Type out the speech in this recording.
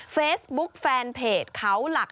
เฟซบุ๊กแฟนเพจเขาหลัก